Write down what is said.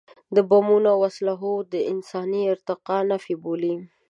د بمونو او اسلحو د انساني ارتقا نفي بولي.